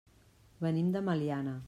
Venim de Meliana.